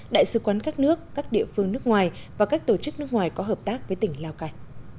đại sứ quán các nước các địa phương nước ngoài và các tổ chức nước ngoài có hợp tác với tỉnh lào cai